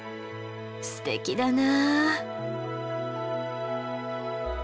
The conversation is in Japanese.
すてきだな。